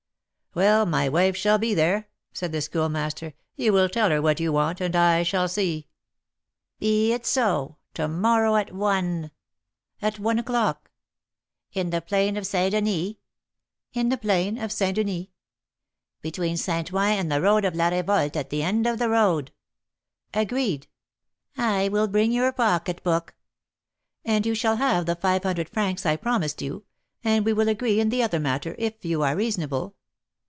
"Well, my wife shall be there," said the Schoolmaster; "you will tell her what you want, and I shall see " "Be it so; to morrow at one." "At one o'clock." "In the plain of St. Denis?" "In the plain of St. Denis." "Between St. Ouen and the road of La Revolte, at the end of the road?" "Agreed." "I will bring your pocketbook." "And you shall have the five hundred francs I promised you, and we will agree in the other matter, if you are reasonable."